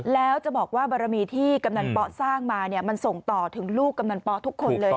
แล้วจะบอกว่าบารมีที่กำนันป๊อสร้างมามันส่งต่อถึงลูกกำนันป๊ทุกคนเลย